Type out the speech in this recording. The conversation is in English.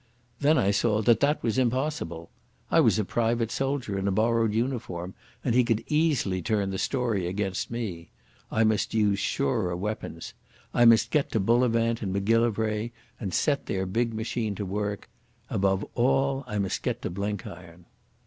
Then I saw that that was impossible. I was a private soldier in a borrowed uniform, and he could easily turn the story against me. I must use surer weapons. I must get to Bullivant and Macgillivray and set their big machine to work. Above all I must get to Blenkiron.